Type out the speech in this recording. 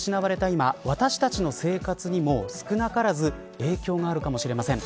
今私たちの生活にも少なからず影響があるかもしれません。